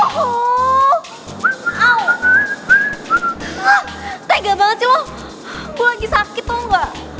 sampai jumpa di video selanjutnya